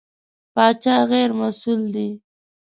پاچا غېر مسوول دی.